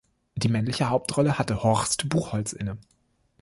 Die männliche Hauptrolle hatte Horst Buchholz inne.